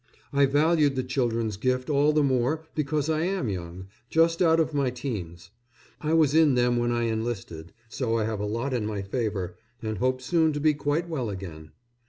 I valued the children's gift all the more because I am young just out of my teens; I was in them when I enlisted so I have a lot in my favour, and hope soon to be quite well again.